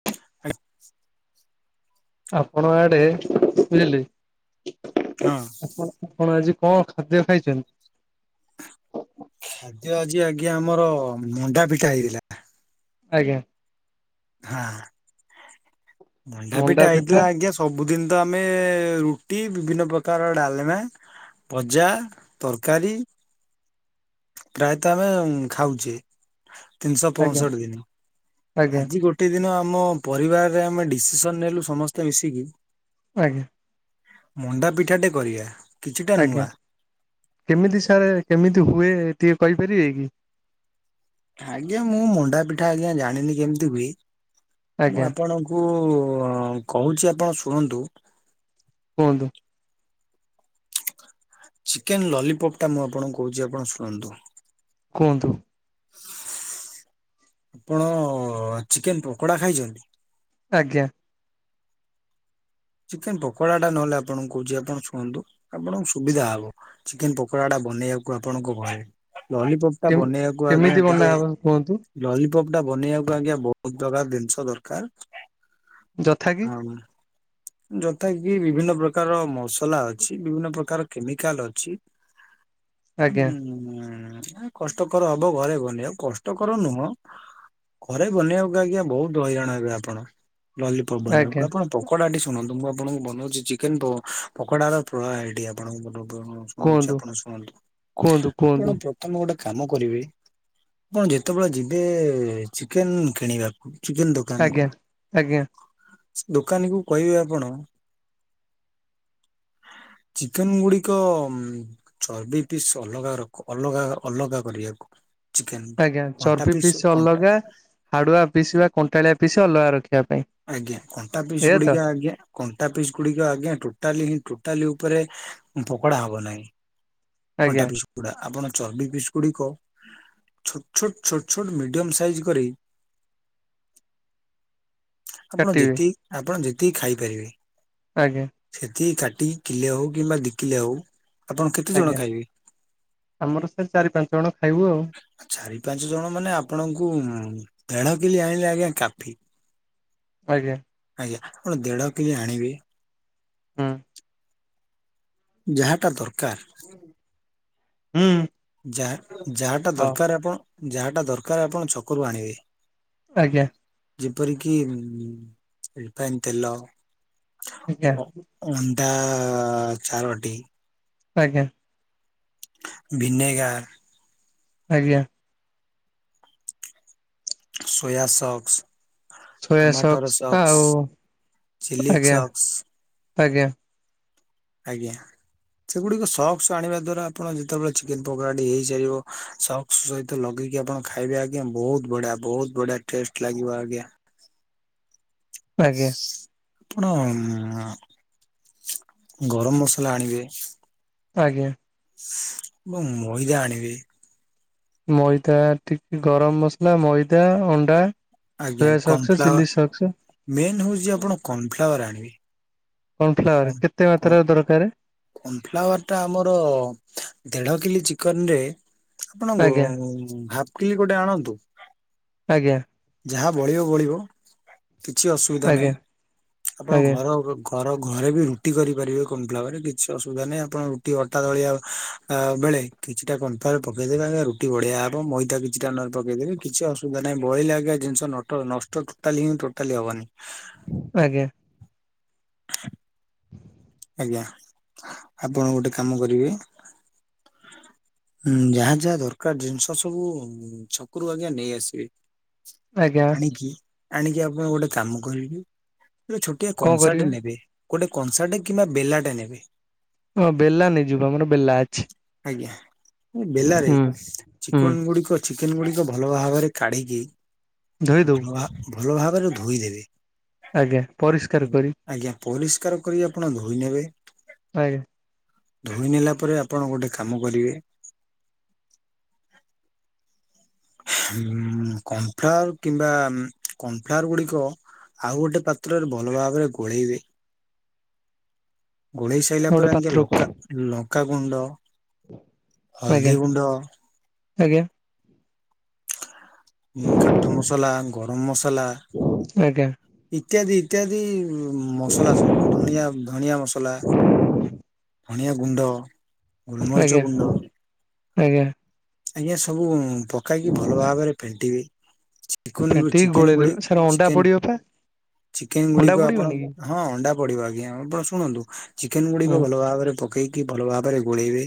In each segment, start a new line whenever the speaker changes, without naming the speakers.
[inaudible]
ଆପଣଙ୍କ ଆଡ଼େ ବୁଝିଲେ
ହଁ।
ଆପଣ ଆପଣ ଆଜି କଁ ଖାଦ୍ୟ ଖାଇଚନ୍ତି?
ଖାଦ୍ୟ ଆଜି ଆଜ୍ଞା ଆମର ମଣ୍ଡା ପିଠା ହେଇଥିଲା।
ଆଜ୍ଞା।
ହଁ। ମଣ୍ଡା ପିଠା ହେଇଥିଲା, ଆଜ୍ଞା ସବୁଦିନତ ଆମେ ରୁଟି ବିଭିନ୍ନ ପ୍ରକାର ଡାଲମା ଭଜା, ତରକାରୀ ପ୍ରାୟତଃ ଆମେ ଖାଉଚେ, ତିନିଶହ
ଆଜ୍ଞା
ପଞ୍ଚଷଠି ଦିନ୍
ଆଜ୍ଞା
ଆଜି ଗୋ ଗୋଟେ ଦିନ ଆମ ପରିବାରରେ ଆମେ ଡିସିସନ୍ ନେଲୁ ସମସ୍ତେ ମିଶିକି
ଆଜ୍ଞା।
ମଣ୍ଡା ପିଠାଟେ କରିବା। କିଛିଟା
ଆଜ୍ଞା
ନୂଆ।
କେମିତି ସାର୍ କେମିତି ହୁଏ ଟିକେ କହିପାରିବେ କି?
ଆଜ୍ଞା ମୁଁ ମଣ୍ଡା ପିଠା ଆଜ୍ଞା ଜାଣିନି କେମିତି ହୁଏ, ମୁଁ
ଆଜ୍ଞା
ଆପଣଙ୍କୁ କୁ କହୁଛି ଆପଣ ଶୁଣନ୍ତୁ?
କୁହନ୍ତୁ।
ଚିକେନ୍ ଲଲିପପ୍ ଟା ମୁଁ ଆପଣଙ୍କୁ କହୁଚି, ଆପଣ ଶୁଣନ୍ତୁ।
କୁହନ୍ତୁ।
[inaudible] ଆପଣ ଚିକେନ ପକୋଡ଼ା ଖାଇଛନ୍ତି?
ଆଜ୍ଞା।
ଚିକେନ ପକୋଡା ଟା ନହେଲେ ଆପଣଙ୍କୁ କହୁଛି, ଆପଣ ଶୁଅନ୍ତୁ ଆପଣଙ୍କୁ ସୁବିଧା ହବ। ଚିକେନ ପକୋଡା ଟା ବନେଇବାକୁ ଆପଣଙ୍କୁ ଭଲ ଲଲିପପ
କେମ
ବନେଇବାକୁ ଆଜ୍ଞା
କେମିତି
ଟିକେ
ବନା ହବ କୁହନ୍ତୁ
ଲଲିପପ୍ ଟା ବନେଇବାକୁ ଆଜ୍ଞା ବହୁତ ପ୍ରକାର ଜିନିଷ ଦରକାର।
ଯଥା କି?
ହଁ ଯଥା କି ବିଭିନ୍ନ ପ୍ରକାର ମସଲା ଅଛି। ବିଭିନ୍ନ ପ୍ରକାର କେମିକାଲ ଅଛି।
[inaudible]
ହୁଁ କଷ୍ଟକର ହବ ଘରେ ଗଲେ ଆଉ କଷ୍ଟକର ନୁହଁ। ଘରେ ବନେଇବାକୁ ଆଜ୍ଞା ବହୁତ ହଇରାଣ ହେବେ ଆପଣ ଲଲିପପ
ଆଜ୍ଞା
ବନେଇବାକୁ ଆପଣ ପକୋଡା ଶୁଣନ୍ତୁ ମୁଁ ଆପଣଙ୍କୁ ବନାଉଛି ଚିକେନ ପକୋଡ଼ାର ପ୍ରଣାଳୀତିଟ ଆପଣଙ୍କୁ ବ
କୁହନ୍ତୁ କୁହନ୍ତୁ କୁହନ୍ତୁ।
ତମେ ଗୋଟେ କାମ କରିବେ ଆପଣ ଯେତେବେଳେ ଯିବେ ଚିକେନ କିଣିବା ଚିକେନ ଦୋକାନକୁ
ଆଜ୍ଞା ଆଜ୍ଞା
ଦୋକାନୀକୁ କହିବେ ଆପଣ
[inaudible]
ଚିକେନ ଗୁଡିକ ଚର୍ବି ପିସ୍ ଅଲଗା ରଖ ଅଲଗା ଅଲଗା କରିବାକୁ। ଚିକେନରୁ
ଆଜ୍ଞା
କଣ୍ଟା
ଚର୍ବି
ପିସ୍
ପିସ
କଣ୍ଟା
ଅଲଗା। ହାଡୁଆ ପିଶ ବା କଣ୍ଟାଳିଆ ପିଶ ଅଲଗା ରଖିବା ପାଇଁ।
ଆଜ୍ଞା କଣ୍ଟା ପିସ୍
ଏଇଆ ତ
ଗୁଡିକ ଆଜ୍ଞା କଣ୍ଟା ପିସ୍ ଗୁଡିକ ଆଜ୍ଞା ଟୋଟାଲି ହିଁ ଟୋଟାଲି ଉପରେ। ପକୋଡା ହବ ନାହିଁ କଣ୍ଟା
ଆଜ୍ଞା
ପିସ୍ ଗୁଡା। ଆପଣ ଚର୍ବି ପିସ୍ ଗୁଡିକ ଛୋଟ ଛୋଟ ଛୋଟ ଛୋଟ ମିଡିୟମ ସାଇଜ୍ କରି
[inaudible]
ଆପଣ
କାଟିବେ
ଯେତିକି ଆପଣ ଯେତିକି ଖାଇପାରିବେ?
ଆଜ୍ଞା।
ସେଠି କାଟିକି କିଲେ ହଉ କିମ୍ବା ଦିକିଲେ ହଉ। ଆପଣ କେତେ ଜଣ
ଆଜ୍ଞା।
ଖାଇବେ
ଆମର ସେ ଚାରି ପାଞ୍ଚ ଜଣ ଖାଇବୁ ଆଉ।
ଚାରି ପାଞ୍ଚ ଜଣ ମାନେ ଆପଣଙ୍କୁ ବେଢକିଲି ଆଣିଲେ ଆଜ୍ଞା କାଫି।
ଆଜ୍ଞା।
ଆଜ୍ଞା ଆପଣ ଦେଢ କେଜି ଆଣିବେ।
ହୁଁ
ଯାହାଟା ଦରକାର।
ହୁଁ।
ଯ ଯାହାଟା
ହଁ
ଦର ଯାହାଟା ଦରକାର ଆପଣ ଛକରୁ ଆଣିବେ।
ଆଜ୍ଞା।
ଯେପରିକି ଉ ରଫାଇନ ତେଲ
ଆଜ୍ଞା
ଅ ଅଣ୍ଡା ଚାରୋଟି।
ଆଜ୍ଞା।
ଭିିନେଗାର।
ଆଜ୍ଞା।
ସୋୟା ସକସ।
ସୋୟା
ଟମାଟୋର ସକ୍ସ,
ଆଉ
ଚିଲି
ଆଜ୍ଞା
ସକ୍ସ।
ଆଜ୍ଞା।
ଆଜ୍ଞା। ସେଗୁଡିକ ସକ୍ସ ଆଣିବା ଦ୍ଵାରା ଆପଣ ଯେତେବେଳେ ଚିକେନ ପକୋଡାଟି ହେଇସାରିବ ସକ କ୍ସ ସହିତ ଲଗେଇକି ଆପଣ ଖାଇବେ ଆଜ୍ଞା ବହୁତ ବଢିଆ ବହୁତ ବଢିଆ ଟେଷ୍ଟ ଲାଗିବ ଆଜ୍ଞା।
ଆଜ୍ଞା।
ଆପଣ ଗରମ ମସଲା ଆଣିବେ
ଆଜ୍ଞା।
ଏବଂ ମଇଦା ଆଣିବେ
ମଇଦା ଟିକେ ଗରମ ମସଲା, ମଇଦା, ଅଣ୍ଡା
ଆଜ୍ଞା।
ସୋୟା ସକ୍ସ ଚିଲି
କର୍ନଫ୍ଲାୱାର
ସକ୍ସ
ମେନ୍ ହେଉଛି ଆପଣ କର୍ନଫ୍ଲାୱାର ଆଣିବେ।
କନଫ୍ଲାୱାର କେତେ ମାତ୍ରରେ ଦରକାର?
କନଫ୍ଲାୱାର ଟା ଆମର ଦେଢ କିଲୋ ଚିକେନ ରେ ଆପଣ ଗୋ
ଆଜ୍ଞା
ହାଫ କିଲି ଗୋଟେ ଆଣନ୍ତୁ।
ଆଜ୍ଞା।
ଯାହା ବଳିବ ବଳିବ କିଛି ଅସୁବିଧା ନାହିଁ।
ଆଜ୍ଞା
ଆପଣ
ଆଜ୍ଞା
ଘର ଘର ଘରେ ବି ରୁଟି କରିପାରିବେ କନଫ୍ଳାୱାରେ କିଛି ଅସୁବିଧା ନାହିଁ ଆପଣ ରୁଟି ଅଟା ଦଳିବା ବେଳେ କିଛିଟା କନଫ୍ଳାୱାର ପକେଇଦେବେ ଆଜ୍ଞା ରୁଟି ବଢିଆ ହବ। ମଇଦ କିଛିଟା ନ ହେଲେ ପକେଇଦେବେ କିଛି ଅସୁବିଧା ନାହିଁ ବଳିଲା ଜିନିଷ ନଟ ନଷ୍ଟ ଟୋଟାଲି ହି ଟୋଟାଲି ହବନି।
ଆଜ୍ଞା।
ଆଜ୍ଞା। ଆପଣ ଗୋଟେ କାମ କରିବେ ହୁଁ ଯାହା ଯାହା ଦରକାର ଜିନିଷ ସବୁ ଛକରୁ ଆଜ୍ଞା ନେଇ ଆସିବେ।
ଆଜ୍ଞା
ଆଣିକି ଆଣିକି ଆପଣ ଗୋଟେ କାମ କରିବେ ଛୋଟିଆ
କଣ
କଂସା
କରିବା
ନେବେ ଗୋଟେ କଂସା କିମ୍ବା ବେଲାଟା ନେବେ
ହଁ ବେଲା ନେଇ ଯିବି ଆମର ବେଲା ଅଛି।
ଆଜ୍ଞା। ବେଲାରେ
ହୁଁ ହୁଁ
ଚିକନ ଗୁଡିକ ଚିକେନ ଗୁଡିକ ଭଲ ଭାବରେ କାଢିକି
ଧୋଇ ଦବୁ
ଭଲ ଭଲ ଭାବରେ ଧୋଇଦେବେ।
ଆଜ୍ଞା। ପରିଷ୍କାର କରି
ଆଜ୍ଞା ପରିଷ୍କାର କରି ଆପଣ ଧୋଇ ନେବେ।
[unintelligible]
ଧୋଇ ନେଲା ପରେ ଆପଣ ଗୋଟେ କାମ କରିବେ କନଫ୍ଲାୱାର କିମ୍ବା କନଫ୍ଲାୱାର ଗୁଡିକ ଆଉ ଗୋଟେ ପାତ୍ରରେ ଭଲ ଭାବରେ ଗୋଳେଇବେ ଗୋଳେଇ ସାରିଲା
ଗୋଟେ
ପରେ ଆଜ୍ଞା
ପାତ୍ରକୁ
ଲଙ୍କା ଲଙ୍କା ଗୁଣ୍ଡ
ଆଜ୍ଞା
ହଳଦୀ ଗୁଣ୍ଡ
ଆଜ୍ଞା।
ଉ କାଠ ମସଲା ଗରମ ମସଲା
ଆଜ୍ଞା।
ଇତ୍ୟାଦି ଇତ୍ୟାଦି ମସଲା ସବୁ ଧଣିଆ ଧଣିିଆ ମସଲା ଧଣିଆ ଗୁଣ୍ଡ। ଗୋଲମରିଚ
ଆଜ୍ଞା।
ଗୁଣ୍ଡ
ଆଜ୍ଞା।
ଆଜ୍ଞା ସବୁ ପକେଇକି ଭଲ ଭାବରେ ଫେଣ୍ଟିବେ। [unintelligible]
ଫେଣ୍ଟିକି
ଚିକେନ
ଗୋଳେଇଦେବେ
ଗୁଡେଇ
ସାର୍ ଅଣ୍ଡା
ଚିକେନ୍
ପଡିବ ପା।
ଚିକେନ
ଅଣ୍ଡା
ଗୁଡିକ ଆପଣ
ପଡିବନି କି
ହଁ ଅଣ୍ଡା ପଡିବ ଆଜ୍ଞା ଆପଣ ଶୁଣନ୍ତୁ? ଚିକେନ
ହୁଁ
ଗୁଡିକ ଭଲ ଭାବରେ ପକେଇକି ଭଲ ଭାବରେ ଗୋଳେଇବେ।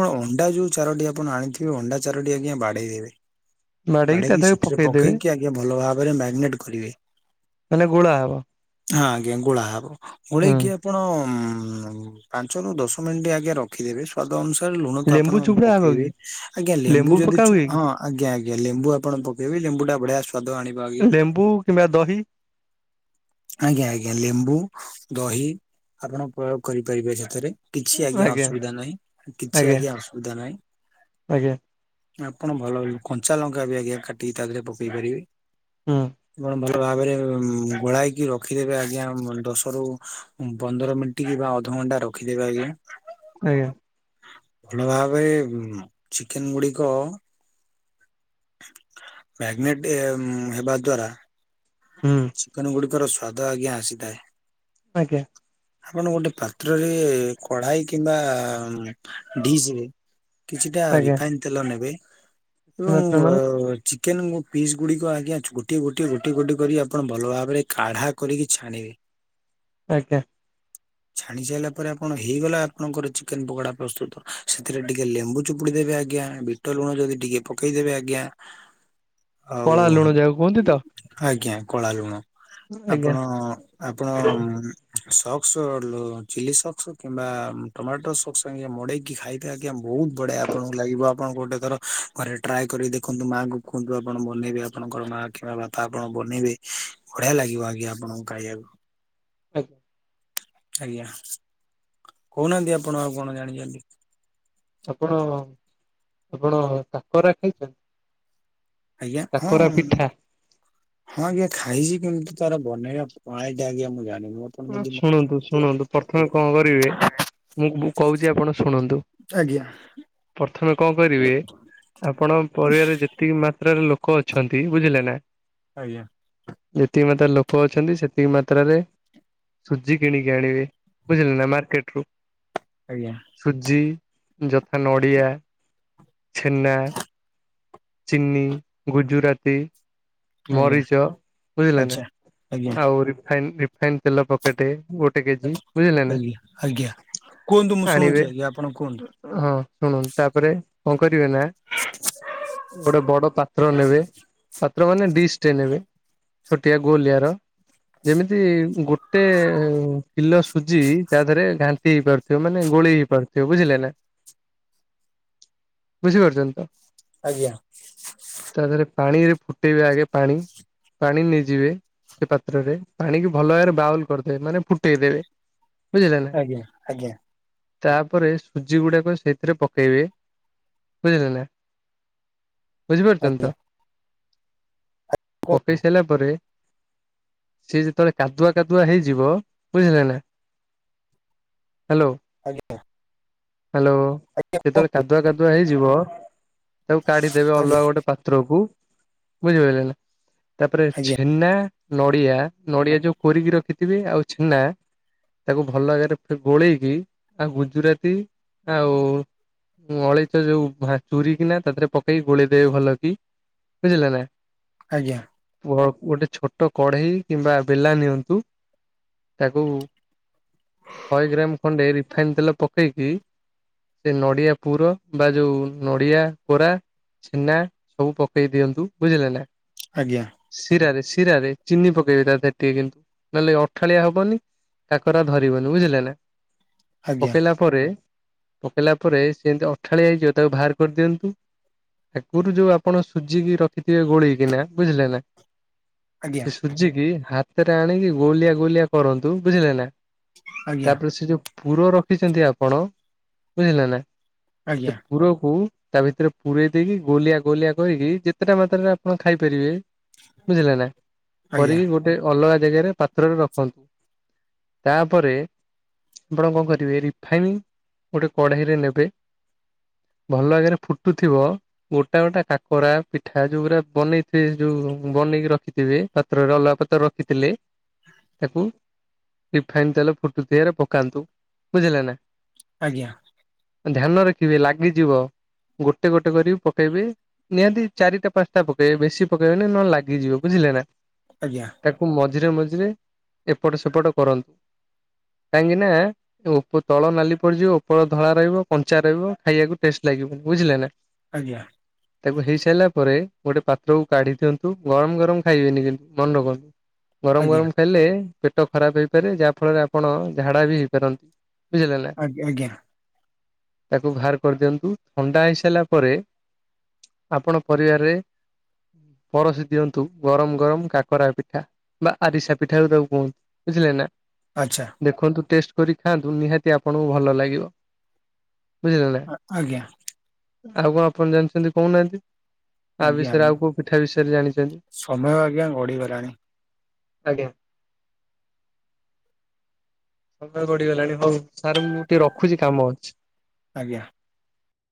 ବା ଅଣ୍ଡା ଯୋଉ ଚାରୋଟି ଆପଣ ଆଣିଥି ଥିବେ ଅଣ୍ଡା ଚାରୋଟି ଆଜ୍ଞା ବାଡ଼େଇଦେବେ।
ବାଡେଇକି ତା
ବାଡ଼େଇକି
ଦେହରେ
ସେଠିରେ
ପକେଇଦେବେ
ପକେଇକି ଆଞା ଭଲ ଭାବରେ ମ୍ୟାରିନେଟ୍ କରିବେ।
ମାନେ ଗୋଳା ହବ।
ହାଁ ଆଜ୍ଞା ଗୋଳା ହବ,
ହୁଁ।
ଗୋଳେଇକି ଆପଣ ଉମ ପାଞ୍ଚ ରୁ ଦଶ ମିନଟି ଆଜ୍ଞା ର ଖିଦେବେ ସ୍ଵାଦ ଅନୁସାରେ ଲୁଣ ତ
ଲେମ୍ବୁ
ଆପଣ
ଚୁପୁଡା ହବ
ପକେଇବେ,
କି
ଆଜ୍ଞା ଲେମ୍ବୁ ଯଦି
ପକା
ଚୁ
ହୁଏ କି
ହଁଅଁ ଆଜ୍ଞା। ଆଜ୍ଞା। ଲେମ୍ବୁ ଆପଣ ପକେଇବେ ଲେମ୍ବୁ ଟା ବଢିଆ ସ୍ୱାଦ ଆଣିବ। ଆଜ୍ଞା
ଲେମ୍ବୁ କିମ୍ବା ଦହି।
ଆଜ୍ଞା। ଆଜ୍ଞା। ଲେମ୍ବୁ, ଦହି ଆପଣ ପ୍ରୟୋଗ୍ କରିପାରିବେ ସେଥେରେ। କିଛି ଆଜ୍ଞା ଅସୁବିଦା ନାଇଁ, କିଛି ଆଜ୍ଞା ଅସୁବିଧା ନାଇଁ।
ଆଜ୍ଞା।
ଆପଣ ଭଲ [unintelligible] କଞ୍ଚା ଲଙ୍କା ବି ଆଜ୍ଞା କାଟିିକି ତା ଧିଏରେ ପକେଇ ପାରିବେ।
ହଁଅଁ।
କଣ ଭଲ ଭାବେରେ ଉଁ ଗୋଳାଇକି ରଖିଦେବେ ଆଜ୍ଞା ଉଁମ ଦଶ ରୁ ପନ୍ଦର ମିନଟି କିବା ଅଧଘଣ୍ଟା ରଖିଦେବେ ଆଜ୍ଞା।
ଆଜ୍ଞା।
ଭଲଭାବେ ଉମ ଚିକେନ୍ ଗୁଡିକ ମ୍ୟାଗନେଟେ ଉମ ହେବା ଦ୍ଵାରା
ହୁଁ
ଚିକେନେ ଗୁଡିକର ସ୍ଵାଦ ଆଜ୍ଞା ଆସିଥାଏ।
ଆଜ୍ଞା।
ଆପଣ ଗୋଟେ ପାତ୍ରରେ କଢାଇ କିମ୍ବା ଉମ ଡିସିରେ କିଛିଟା ରିଫାଇନ୍ ତେଲ ନେବେ।
[inaudible] ତମର
ଚିକେନ୍ ମୁଁ ପିସ୍ ଗୁଡିକ ଆଜ୍ଞା ଛୁ ଗୋଟିଏ ଗୋଟିଏ ଗୋଟି ଗୋଟି କରି ଆପଣ ଭଲ ଭାବରେ କାଢା କରିକି ଛାଣିବେ।
ଆଜ୍ଞା।
ଛାଣି ସାଇଲା ପରେ ଆପଣ ହେଇଗଲା ଆପଣଙ୍କର ଚିକେନ୍ ପକୋଡା ପ୍ରସ୍ତୁତ। ସେଥେରେ ଟିକେ ଲେମ୍ବୁ ଚୁପୁଡି ଦେବେ ଆଜ୍ଞା। ବିଟ ଲୁଣ ଯଦି ଟିକେ ପକେଇଦେବେ ଆଜ୍ଞା! ଆଉ,
କଳା ଲୁଣ ଯାହାକୁ କୁହନ୍ତି ତ
ଅମ ଆଜ୍ଞା କଳା ଲୁଣ।
ଆଜ୍ଞା
ଆପଣ, ଆପଣ ଅମ୍ ସକ୍ସଅ ଡିଲ୍ ଚିଲି ସକ୍ସ କିମ୍ବା ଟମାଟୋ ସକ୍ସ ସାଙ୍ଗେ ମଡେଇକି ଖାଇ କି ଆଜ୍ଞା ବୋହୁତ୍ ବଢିଆ ଆପଣଙ୍କୁ ଲାଗିବ ଆପଣଙ୍କୁ ଗୋଟେ ଥର ଘରେ ଟ୍ରାଏ କରି ଦେଖନ୍ତୁ। ମାଙ୍କୁ କୁହନ୍ତୁ ଆପଣ ବନେଇବେ, ଆପଣଙ୍କର ମା କିମ୍ବା ବାପା ଆପଣ ବନେଇବେ ବଢିଆ ଲାଗିବ ଆଜ୍ଞା ଆପଣଙ୍କୁ କାଇଆକୁ।
ଆଜ୍ଞା।
ଆଜ୍ଞା। କୋଉନାହାନ୍ତି ଆପଣ ଆଉ କଣ ଜାଣିଚନ୍ତି?
ଆପଣ! ଆପଣ, କାକରା ଖାଇଛନ୍ତି।
ଆଜ୍ଞା। ହଁଅଁ
କାକରା
ଉମ।
ପିଠା
ହଁ ଆଜ୍ଞା ଖାଇଛି, କେମତି ତାର ବନେଇବା ପଣାଳିଟା ଆଜ୍ଞା ମୁଁ ଜାିଣିନି?
ଶୁଣନ୍ତୁ, ଶୁଣନ୍ତୁ ପ୍ରଥମେ କଁ କରିବେ? ମୁଁ, ମୁଁ କହୁଚି ଆପଣ ଶୁଣନ୍ତ।
ଆଜ୍ଞା।
ପ୍ରଥମେ କଁ କରିବେ? ଆପଣ ପରିବାରେ ଯେ ତିକି ମାତ୍ରାରେ ଲୋକ ଅଛନ୍ତି ବୁଝିଲେ ନା।
ଆଜ୍ଞା।
ଯେତିକି ମାତାରେ ଲୋକ ଅଛନ୍ତି ସେତିକି ମାତ୍ରାରେ ସୁଜି କିଣିକି ଆଣିବେ, ବୁଝିଲେ ନା ମାର୍କେଟ୍ ରୁ।
ଆଜ୍ଞା।
ସୁଜି ଯଥା ନଡ଼ିଆ, ଛେନା। ଚିିନି, ଗୁଜୁରାତି।
ଆଜ୍ଞା
ମରିଚ ବୁଝିଲ ନା
ଆଚ୍ଛା ଆଜ୍ଞା
ଆଉ ରିଫାଇନ ରିଫାଇନ ତେଲ ପକେଇଟେ ଗୋ
ଆଜ୍ଞା ଆଜ୍ଞା କୁହନ୍ତୁ ମୁଁ
ଆଣିବେ
ଶୁଣୁଛି ଆଜ୍ଞା ଆପଣ କୁହନ୍ତୁ?
ହଁ ଶୁଣନ୍ତୁ ତାପରେ କଣ କରିବେ ନା ଗୋଟେ ବଡ ପାତ୍ର ନେବେ। ପାତ୍ର ମାନେ ଡିଶଟେ ନେବେ। ଛୋଟିଆ ଗୋଲିଆର ଯେମିତି ଗୋଟେ କିଲ ସୁଜି ତା ଦେହରେ ଘାଣ୍ଟି ହେଇପାରୁଥିବ ମାନେ ଗୋଳି ହେଇ ପାରୁଥିବ ବୁଝିଲେ ନା? ବୁଝିପାରୁଛନ୍ତି ତ?
ଆଜ୍ଞା।
ତା ଦେହରେ ପାଣିରେ ଫୁଟେଇବେ ଆଗେ ପାଣି। ପାଣି ନେଇଯିବେ ସେ ପାତ୍ରରେ ପାଣିକୁ ଭଲ ଭାବରେ ବାଉଲ କରିଦେବେ ମାନେ ଫୁଟେଇଦବେ। ବୁଝିଲେ ନା?
ଆଜ୍ଞା ଆଜ୍ଞା
ତାପରେ ସୁଜି ଗୁଡାକ ସେଇଥିରେ ପକେଇବେ। ବୁଝିଲେ ନା? ବୁଝିପାରୁଛନ୍ତି
ଆଜ୍ଞା
ତ?
କୁହ
ପକେଇ ସାରିଲା ପରେ ସିଏ ଯେତେବେଳେ କାଦୁଆ କାଦୁଆ ହେଇଯିବ। ବୁଝିଲେ ନା? ହ୍ୟାଲୋ।
ଆଜ୍ଞା।
ହ୍ୟାଲୋ।
ଆଜ୍ଞା କୁହ
ଯେତେବେଳେ କାଦୁଆ କାଦୁଆ ହେଇଯିବ। ତାକୁ କାଢିଦେବେ ଅଲଗା
ଆଜ୍ଞା
ଗୋଟେ ପାତ୍ରକୁ ବୁଝିପାରିଲେ? ନା ତାପରେ
ଆଜ୍ଞା
ଛେନା ନଡିଆ, ନଡିଆ ଯୋଉ କୋରିକି ରଖିଥିବେ ଆଉ ଛେନା ତାକୁ ଭଲ ଆଗାରେ ଗୋଳେଇକି ଆଉ ଗୁଜୁରାତି ଆଉ ଉମ ଅଳେଇଚ ଯୋଉ ଭା ଚୁର କିନା ତାଥିରେ ପକେଇକି ଗୋଳେଇଦବେ ଭଲ କି। ବୁଝିଲ ନା?
ଆଜ୍ଞା।
ଗୋ-ଗୋଟେ ଛୋଟ କଢେଇ କିମ୍ବା ବେଲା ନିଅନ୍ତୁ। ତାକୁ ଶହେ ଗ୍ରାମ ଖଣ୍ଡେ ରିଫାଇନ ତେଲ ପକେଇକି ସେ ନଡିଆ ପୁର ବା ଯୋଉ ନଡ଼ିଆ କୋରା। ଛେନା ସବୁ ପକେଇ ଦିଅନ୍ତୁ। ବୁଝିଲେ ନା?
ଆଜ୍ଞା।
ଶିରାରେ ଶିରାରେ ଚିନି ପକେଇବେ ତା ଦେହରେ ଟିକେ କିନ୍ତୁ ନହେଲେ ଅଠାଳିଆ ହବନି। କାକରା ଧରିବନି ବୁଝିଲେ ନା
ଆଜ୍ଞା
ପକେଇଲା ପରେ ପକେଇଲା ପରେ ସେମିତି ଅଠାଳିଆ ହେଇଯିବ ତାକୁ ବାହାର କରିଦିଅନ୍ତୁ। ଆଗରୁ ଯୋଉ ଆପଣ ସୁଜିକି ର ରଖିଥିବେ ଗୋଳେଇକିନା ବୁଝିଲେ ନା ସେ ସୁଜିକି ହା ତରେ ଆଣିକି ଗୋଳିଆ ଗୋଳିଆ କରନ୍ତୁ। ବୁଝିଲେ ନା?
ଆଜ୍ଞା ଆଜ୍ଞା
ତାପରେ ସେ ଯୋଉ ପୁର ରଖିଛନ୍ତି ଆପଣ ବୁଝିଲେ ନା ସେ ପରକୁ ତା ଭିତରେ ପୂରେଇ ଦେଇକି ଗୋଲିଆ ଗୋଲିଆ କରିକି ଯେ କେତେଟା ମାତ୍ରାରେ ଆପଣ ଖାଇପାରିବେ ବୁଝିଲେ ନା
ଆଜ୍ଞା
କରି ଗୋ ଟେ ଅଲଗା ଜାଗାରେ ପାତ୍ରରେ ରଖନ୍ତୁ। ତାପରେ ଆପଣ କଣ କରିବେ ରିଫାଇନ ଗୋଟେ କଢେଇରେ ନେବେ ଭଲ ଆଗରେ ଫୁଟୁଥିବ। ଗୋଟା ଗୋଟା କାକରା ପିଠା ଯୋଉ ଗୁରା ବନେଇଥିବେ ଯୋଉ ବନେଇକି ରଖିଥିବେ ପାତ୍ରରେ ଅଲଗଆ ପତ୍ର ରଖିଥିଲେ। ତାକୁ ରିଫାଇନ ତେଲ ଫୁଟୁଥିଆରେ ପକାନ୍ତୁ। ବୁଝିଲେ ନା?
ଆଜ୍ଞା।
ଧ୍ୟାନ ରଖିବେ ଲାଗିଯିବ ଗୋଟେ ଗୋଟେ କରିବି ପକେଇବେ। ନିହାତି ଚାରିଟା ପାଞ୍ଚଟା ପକେଇବେ ବେଶୀ ପକେଇବେନି ନହଲେ ଲାଗିଯିବ। ବୁଝିଲ ନା?
ଆଜ୍ଞା।
ତାକୁ ମଝିରେ ମଝିରେ ଏପଟ ସେପଟ କରନ୍ତୁ। କାହିଁକିନା? ଉପ ତଳ ନାଲି ପଡିଯିବ ଉପଳ ଧଳା ରହିବ କଞ୍ଚା ରହିବ ଖାଇବାକୁ ଟେଷ୍ଟ ଲାଗିବ ବୁଝିଲେ ନା?
ଆଜ୍ଞା।
ତେବେ ହେଇସାରିଲା ପରେ ଗୋଟେ ପାତ୍ରକୁ କାଢି ଦିଅନ୍ତୁ ଗରମ ଗରମ ଖାଇବେନି କିନ୍ତୁ ମନେ ରଖନ୍ତୁ ଗରମ ଗରମ ହେଲେ ପେଟ ଖରାପ ହେଇପାରେ ଯାହା ଫଳରେ ଆପଣ ଝାଡା ବି ହେଇପାରନ୍ତି। ବଝିଲେ ନା?
ଆଜ୍ଞା ଆଜ୍ଞା
ତାକୁ ବାହାର କରିଦିଅନ୍ତୁ ଥଣ୍ଡା ହେଇସାରିଲା ପରେ ଆପଣ ପରିବାରରେ ପରସି ଦିଅନ୍ତୁ ଗରମ ଗରମ କାକରା ପିଠା। ବା ଆରିସା ପିଠା ତାକୁ କୁହନ୍ତି ବୁଝିଲେ ନା?
ଆଚ୍ଛା।
ଦେଖନ୍ତୁ ଟେଷ୍ଟ କରି ଖାଆନ୍ତୁ ନିହାତି ଆପଣଙ୍କୁ ଭଲ ଲାଗିବ। ବୁଝିଲେ ନା
ଆଜ୍ଞା
ଆଉ କଣ ଆପଣ ଜାଣିଛନ୍ତି କହୁ ନାହାନ୍ତି? ଆ
ଆଜ୍ଞା
ବିଷୟରେ ଆଉ କୋଉ ପିଠା ବିଷୟରେ ଜାଣିଛନ୍ତି?
ସମୟ ଆଜ୍ଞା ଗଡିଗଲାଣି
[inaudible] ଆଜ୍ଞା। ସମୟ ଗଢିଗଲାଣି ହଉ ସାର୍ ମୁଁ ଟିକେ ରଖୁଛି କାମ ଅଛି।
ଆଜ୍ଞା।